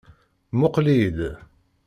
Muqqel-iyi-d.